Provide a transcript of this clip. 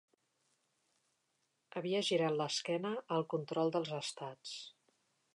Havia girat l'esquena al control dels estats.